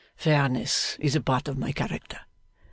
Fairness is a part of my character.